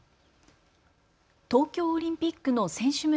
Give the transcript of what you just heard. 東京オリンピックの選手村